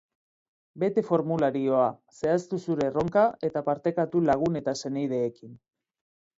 Bete formularioa, zehaztu zure erronka eta partekatu lagun eta senideekin.